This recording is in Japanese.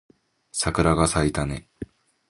桜が咲いたね